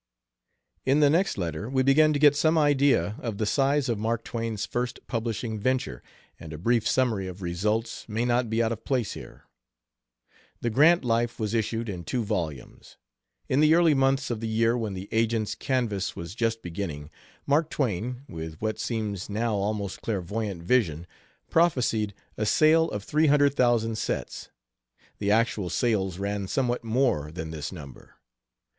In the next letter we begin to get some idea of the size of Mark Twain's first publishing venture, and a brief summary of results may not be out of place here. The Grant Life was issued in two volumes. In the early months of the year when the agents' canvass was just beginning, Mark Twain, with what seems now almost clairvoyant vision, prophesied a sale of three hundred thousand sets. The actual sales ran somewhat more than this number.